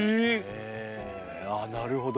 あなるほど。